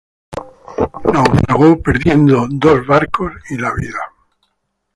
Naufragó, perdiendo dos barcos y la vida.